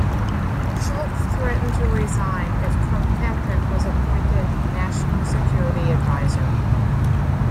Shultz threatened to resign if Kirkpatrick was appointed National Security Adviser.